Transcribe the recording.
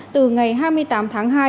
từ ngày hai mươi tám tháng hai